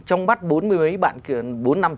trong mắt bốn mươi mấy bạn kia